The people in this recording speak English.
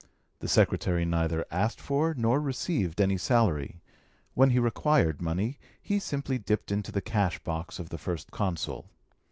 The secretary neither asked for nor received any salary: when he required money, he simply dipped into the cash box of the First Consul.